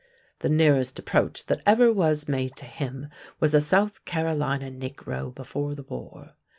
The nearest approach that ever was made to him was a South Carolina negro before the war.